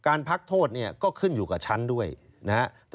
พักโทษเนี่ยก็ขึ้นอยู่กับฉันด้วยนะครับ